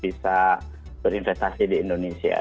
bisa berinvestasi di indonesia